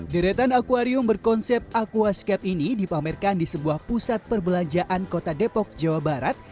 deretan akwarium berkonsep aquascape ini dipamerkan di sebuah pusat perbelanjaan kota depok jawa barat